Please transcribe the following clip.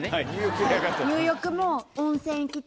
「入浴」も。